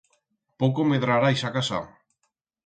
Poco medrará ixa casa.